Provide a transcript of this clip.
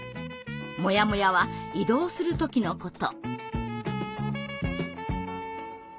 モヤモヤは移動する時のこと。